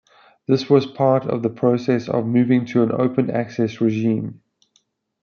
This was part of the process of moving to an open access regime.